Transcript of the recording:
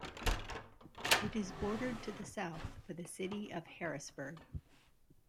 It is bordered to the south by the city of Harrisburg.